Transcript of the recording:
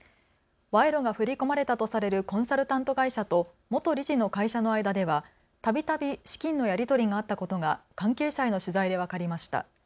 賄賂が振り込まれたとされるコンサルタント会社と元理事の会社の間ではたびたび資金のやり取りがあったことが関係者への取材で分かりました。